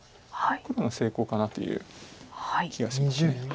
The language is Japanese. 黒の成功かなという気がします。